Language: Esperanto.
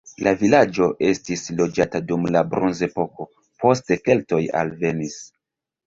La vilaĝo estis loĝata dum la bronzepoko, poste keltoj alvenis.